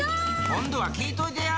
今度は聞いといてや！